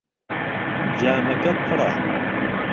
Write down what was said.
جامەکە پڕە.